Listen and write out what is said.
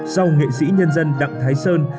sau nghệ sĩ nhân dân đặng thái sơn